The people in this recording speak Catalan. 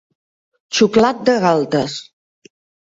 Xuclat de galtes.